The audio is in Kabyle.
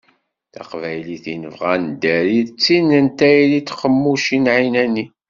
Taqbaylit i nebɣa ad neddari d tin n tayri d tqemmucin εinani.